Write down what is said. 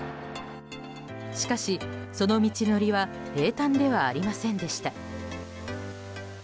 しかし、その道のりは平たんではありませんでした。